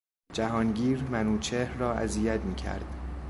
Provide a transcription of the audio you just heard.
جهانگیر منوچهر را اذیت میکرد.